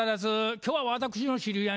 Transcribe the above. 今日は私の知り合いのね